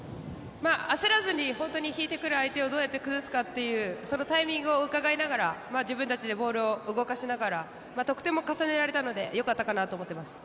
焦らずに引いてくる相手をどう崩すかということを考えて自分たちでボールを動かしながら得点も重ねられたのでよかったかなと思っています。